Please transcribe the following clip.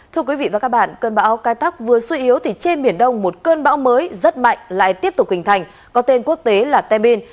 thưa quý vị và các bạn cơn bão kaitag vừa suy yếu thì trên biển đông một cơn bão mới rất mạnh lại tiếp tục hình thành có tên quốc tế là temin